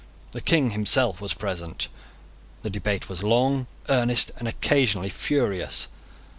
The King himself was present. The debate was long, earnest, and occasionally furious.